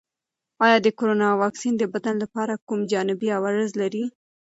آیا د کرونا واکسین د بدن لپاره کوم جانبي عوارض لري؟